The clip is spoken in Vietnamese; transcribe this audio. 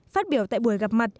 phát biểu tại buổi gặp mặt